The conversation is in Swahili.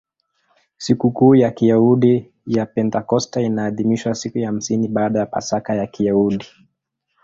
Sikukuu ya Kiyahudi ya Pentekoste inaadhimishwa siku ya hamsini baada ya Pasaka ya Kiyahudi.